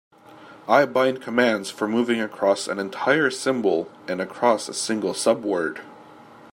I bind commands for moving across an entire symbol and across a single subword.